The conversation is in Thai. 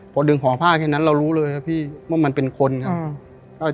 พอดึงห่อผ้าแค่นั้นเรารู้เลยครับพี่ว่ามันเป็นคนครับ